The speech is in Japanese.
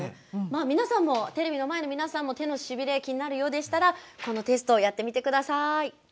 テレビの前の皆さんも手のしびれ気になるようでしたらこのテストをやってみてください。